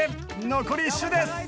残り１周です。